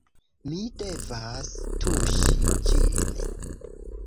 Mi devas tuŝi ĝin